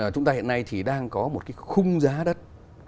chúng ta hiện nay thì đang có một cái khung giá đất